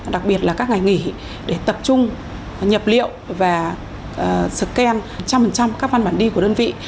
đặc biệt là các ngày nghỉ để tập trung nhập liệu và scan một trăm linh các văn bản đi của đơn vị